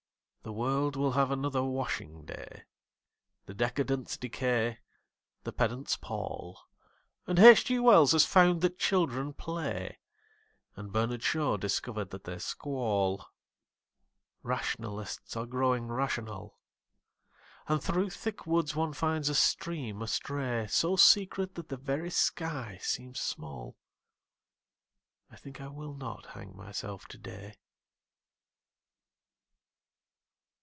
The world will have another washing day; The decadents decay; the pedants pall; And H.G. Wells has found that children play, And Bernard Shaw discovered that they squall; Rationalists are growing rational And through thick woods one finds a stream astray, So secret that the very sky seems small I think I will not hang myself today.